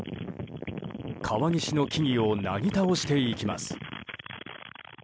川岸の木々をなぎ倒していきます。